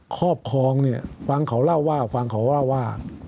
ครอบครองเนี่ยฟังเขาเล่าว่าฟังเขาเล่าว่า